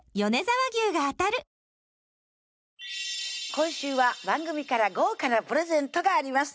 今週は番組から豪華なプレゼントがあります